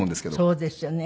そうですよね。